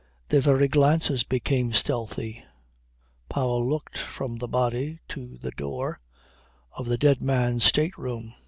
Their very glances became stealthy. Powell looked from the body to the door of the dead man's state room.